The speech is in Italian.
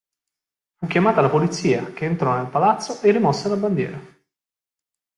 Fu chiamata la polizia, che entrò nel palazzo e rimosse la bandiera.